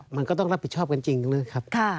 มันก็ต้องรับผิดชอบกันจริงนะครับ